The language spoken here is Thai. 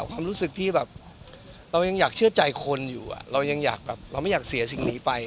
ความรู้สึกที่แบบเรายังอยากเชื่อใจคนอยู่เรายังอยากเราไม่อยากเสียสิ่งนี้ไป